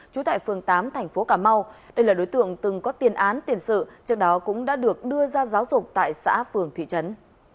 trú tại phường tám thành phố cà mau đây là đối tượng từng có tiền án tiền sự trước đó cũng đã được đưa ra giáo dục tại xã phường thị trấn